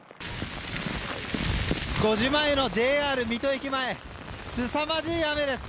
５時前のＪＲ水戸駅前すさまじい雨です。